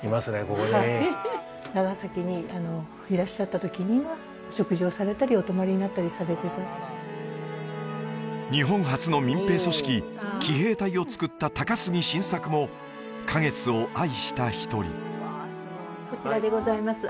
ここに長崎にいらっしゃったときには食事をされたりお泊まりになったりされてた日本初の民兵組織奇兵隊を作った高杉晋作も花月を愛した一人こちらでございます